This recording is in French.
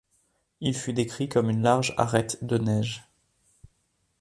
Il fut décrit comme une large arête de neige.